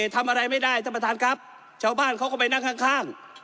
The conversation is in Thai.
ทำอะไรไม่ได้ท่านประธานครับชาวบ้านเขาก็ไปนั่งข้างข้าง